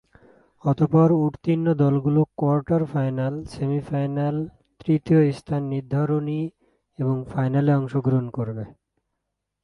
অতঃপর উত্তীর্ণ দলগুলো কোয়ার্টার-ফাইনাল, সেমি-ফাইনাল, তৃতীয় স্থান নির্ধারণী এবং ফাইনালে অংশগ্রহণ করবে।